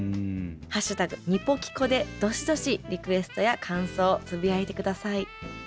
「＃にぽきこ」でどしどしリクエストや感想つぶやいて下さい。